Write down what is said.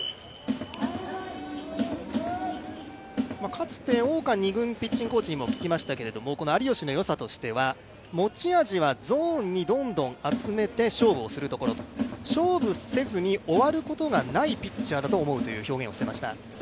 かつて２軍ピッチングコーチにも聞きましたけれども、有吉のよさとしては、持ち味はゾーンにどんどん集めて勝負をするところ、勝負せずに終わることがないとピッチャーだと思うという表現をしていました。